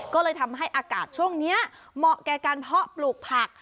ก็เลยทำให้อากาศช่วงนี้เหมาะแก่การเพาะปลูกผัก